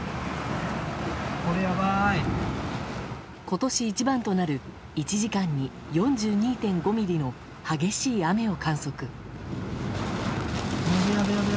今年一番となる、１時間に４２．５ミリの激しい雨を観測。